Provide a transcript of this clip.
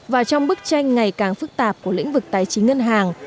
và trong bức tranh ngày càng phức tạp của lĩnh vực tài chính ngân hàng